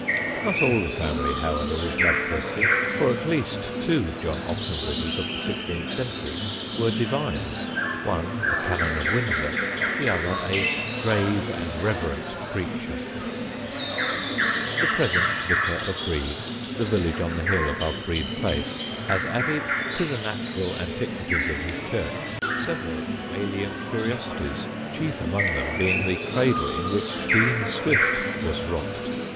Not all the family, however, were bloodthirsty, for at least two John Oxenbridges of the sixteenth century were divines, one a Canon of Windsor, the other a "grave and reverent preacher." [Sidenote: DEAN SWIFT'S CRADLE] The present vicar of Brede, the village on the hill above Brede Place, has added to the natural antiquities of his church several alien curiosities, chief among them being the cradle in which Dean Swift was rocked.